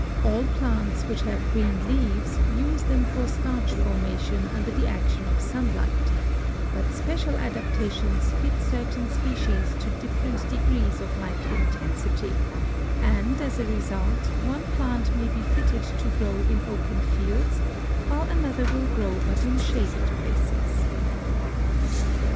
All plants which have green leaves use them for starch formation under the action of sunlight, but special adaptations fit certain species to different degrees of light intensity, and as ADAPTATION 267 a result one plant may be fitted to grow in open fields while another will grow but in shaded places.